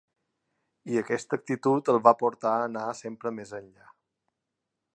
I aquesta actitud el va portar a anar sempre més enllà.